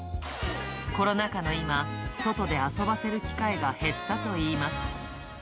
コロナ禍の今、外で遊ばせる機会が減ったといいます。